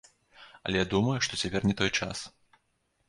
Але я думаю, што цяпер не той час.